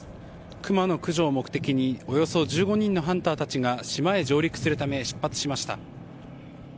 クマの駆除を目的におよそ１５人のハンターたちが島へ上陸するため出発しました。